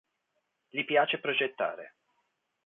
Gli piace progettare.